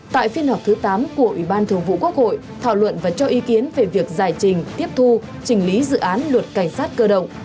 tại phiên họp thứ tám của ủy ban thường vụ quốc hội thảo luận và cho ý kiến về việc giải trình tiếp thu trình lý dự án luật cảnh sát cơ động